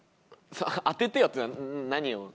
当ててよっていうのは何を？